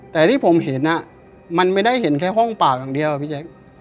แต่ที่ผมเห็นมันไม่ได้เห็นแค่ห้องปากอย่างเดียวอะพี่แจ๊ค